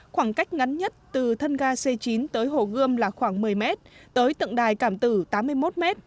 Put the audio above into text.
khoảng cách ngắn nhất từ thân ga c chín tới hồ gươm là khoảng một mươi m tới tượng đài cảm tử tám mươi một m